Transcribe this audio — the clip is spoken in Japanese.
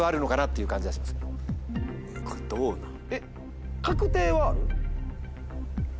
これどうなん？